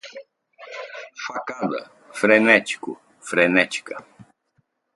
Facada, frenética, frenético